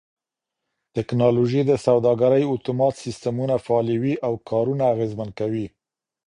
ټکنالوژي د سوداګرۍ اتومات سيستمونه فعالوي او کارونه اغېزمن کوي.